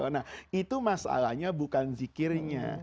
nah itu masalahnya bukan zikirnya